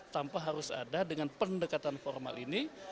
tanpa harus ada dengan pendekatan formal ini